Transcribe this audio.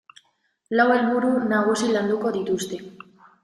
Lau helburu nagusi landuko dituzte.